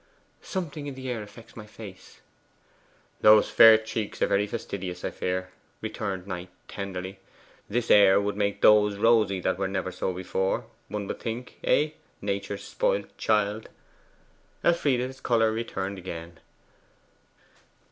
'Something in the air affects my face.' 'Those fair cheeks are very fastidious, I fear,' returned Knight tenderly. 'This air would make those rosy that were never so before, one would think eh, Nature's spoilt child?' Elfride's colour returned again.